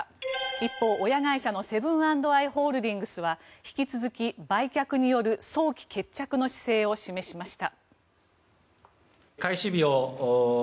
一方、親会社のセブン＆アイ・ホールディングスは引き続き、売却による早期決着の姿勢を示しました。